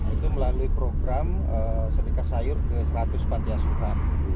itu melalui program sedekah sayur ke seratus panti asuhan